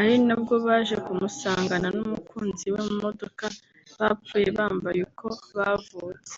ari nabwo baje kumusangana n’umukunzi we mu modoka bapfuye bambaye uko bavutse